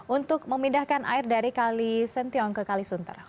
untuk memindahkan air dari kalisention ke kalisuntar